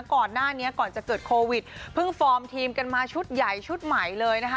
ก่อนหน้านี้ก่อนจะเกิดโควิดเพิ่งฟอร์มทีมกันมาชุดใหญ่ชุดใหม่เลยนะคะ